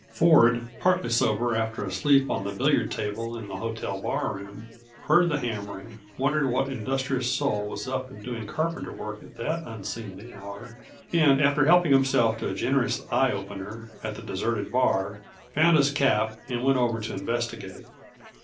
Ford, partly sober after a sleep on the billiard table in the hotel barroom, heard the hammering, wondered what industrious soul was up and doing carpenter work at that unseemly hour, and after helping himself to a generous "eye opener" at the deserted bar, found his cap and went over to investigate.